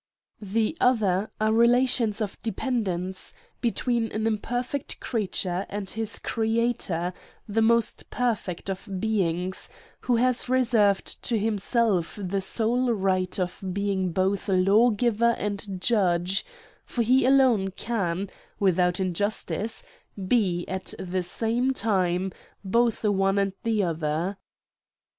The other are relations of dependence, between an imperfect creature and his Creator, the most perfect of beings, who has reserved to himself^ the sole right of being both lawgiver and judge; for he alone can, without injustice, be, at the same time, both one and the other.